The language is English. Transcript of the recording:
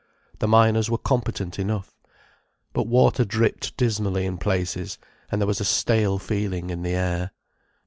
The miners were competent enough. But water dripped dismally in places, and there was a stale feeling in the air.